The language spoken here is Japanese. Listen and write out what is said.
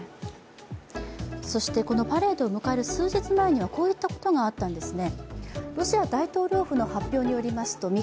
そしてパレードを迎える数日前にはこんなことがあったんですね。